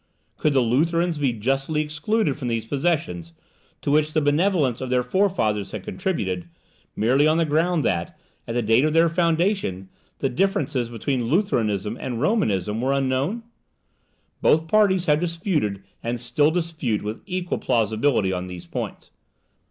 Could the Lutherans be justly excluded from these possessions, to which the benevolence of their forefathers had contributed, merely on the ground that, at the date of their foundation, the differences between Lutheranism and Romanism were unknown? Both parties have disputed, and still dispute, with equal plausibility, on these points.